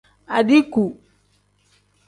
Adiiku.